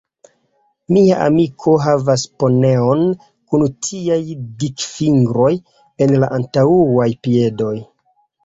Mia amiko havas poneon kun tiaj dikfingroj en la antaŭaj piedoj.